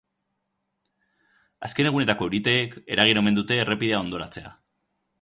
Azken egunetako euriteek eragin omen dute errepidea hondoratzea.